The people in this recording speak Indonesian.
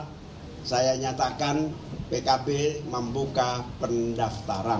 dan saya juga ingin mengucapkan terima kasih kepada semua masyarakat yang telah menerima pendaftaran